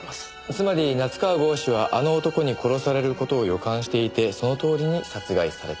つまり夏河郷士は「あの男」に殺される事を予感していてそのとおりに殺害された。